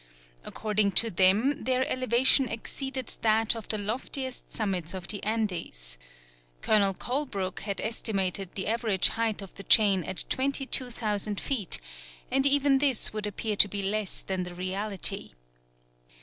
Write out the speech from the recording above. According to them their elevation exceeded that of the loftiest summits of the Andes. Colonel Colebrook had estimated the average height of the chain at 22,000 feet, and even this would appear to be less than the reality.